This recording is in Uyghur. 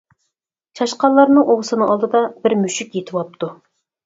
چاشقانلارنىڭ ئۇۋىسىنىڭ ئالدىدا بىر مۈشۈك يېتىۋاپتۇ.